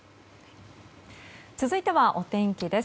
続いてはお天気です。